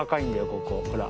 ここほら。